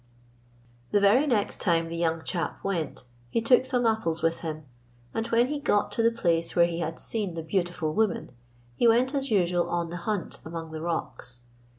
The very next time the young chap went, he took some apples with him, and when he got to the place where he had seen the beautiful woman, he went, as usual, on the hunt among the rocks.